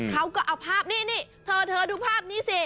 เขาก็เอาภาพนี่นี่เธอดูภาพนี้สิ